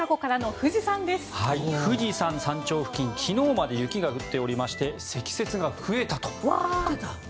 富士山山頂付近昨日まで雪が降っておりまして積雪が増えたと。